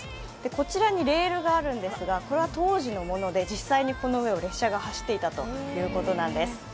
こちらにレールがあるんですがこれは当時のもので実際に、この上を列車が走っていたということなんです。